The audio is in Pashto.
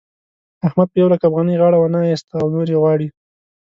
احمد په يو لک افغانۍ غاړه و نه اېسته او نورې غواړي.